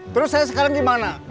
terus saya sekarang gimana